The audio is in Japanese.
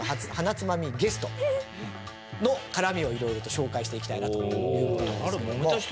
つまみゲストの絡みを色々と紹介していきたいなという事なんですけども。